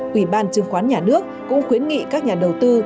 ủy ban chứng khoán nhà nước cũng khuyến nghị các nhà đầu tư